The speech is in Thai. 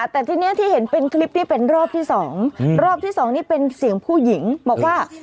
แต่ทีนี้ที่เห็นเป็นคลิปที่เป็นรอบที่สองรอบที่สองนี่เป็นเสียงผู้หญิงบอกว่า